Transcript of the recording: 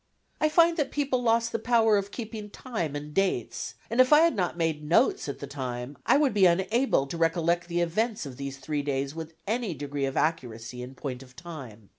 I find that people lost the power of keeping time and dates, and if I had not made notes at the time I would be unable to recollect the events of these three days with any degree of accuracy in point of time.